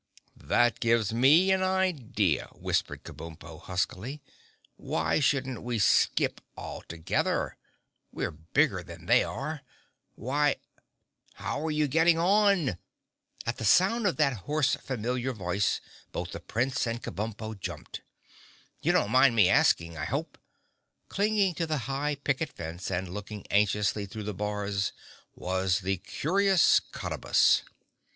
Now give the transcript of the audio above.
"That gives me an idea," whispered Kabumpo huskily. "Why shouldn't we skip altogether? We're bigger than they are. Why—" "How are you getting on?" At the sound of that hoarse, familiar voice both the Prince and Kabumpo jumped. "You don't mind me asking, I hope?" Clinging to the high picket fence and looking anxiously through the bars was the Curious Cottabus.